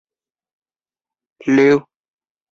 球场有北侧和南侧两座看台。